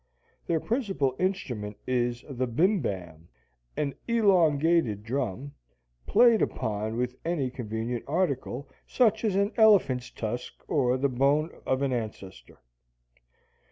Their principal instrument is the bimbam, an elongated drum, played upon with any convenient article, such as an elephant's tusk or the bone of an ancestor.